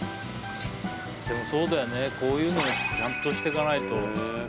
でもそうだよねこういうのちゃんとしていかないと。